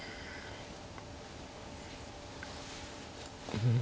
うん。